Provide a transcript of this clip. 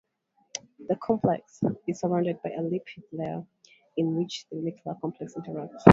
The complex is surrounded by a lipid layer, into which the nuclear complex interacts.